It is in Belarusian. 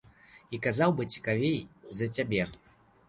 І казаў бы цікавей за цябе.